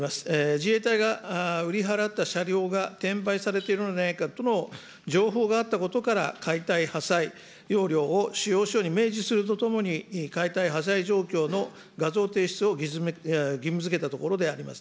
自衛隊が売り払った車両が転売されているのではないかとの情報があったことから、解体破砕要領を仕様書に明示するとともに、解体破砕状況の画像提出を義務づけたところであります。